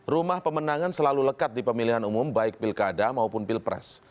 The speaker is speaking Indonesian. rumah pemenangan selalu lekat di pemilihan umum baik pilkada maupun pilpres